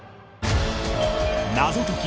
『謎解き！